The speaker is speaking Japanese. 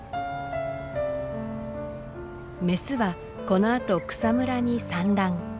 メスはこのあと草むらに産卵。